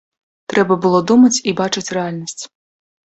Трэба было думаць і бачыць рэальнасць.